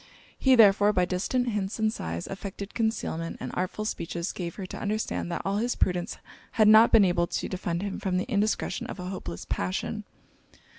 He therefore, by distant hints and sighs, affected concealment; and artful speeches gave her to understand that all his prudence had not been able to defend him from the indiscretion of a hopeless passion.